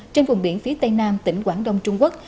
trên vùng biển phía tây nam tỉnh quảng đông trung quốc